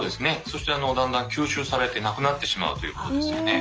そしてだんだん吸収されてなくなってしまうということですよね。